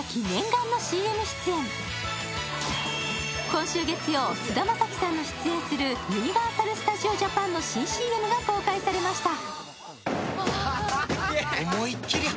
今週月曜、菅田将暉さんの出演するユニバーサル・スタジオ・ジャパンの新ＣＭが公開されました。